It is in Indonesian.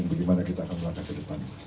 bagaimana kita akan melangkah ke depan